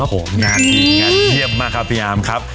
ผมงานดีงานเยี่ยมมากครับพี่อาร์มครับ